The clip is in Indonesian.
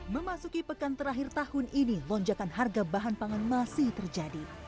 memasuki pekan terakhir tahun ini lonjakan harga bahan pangan masih terjadi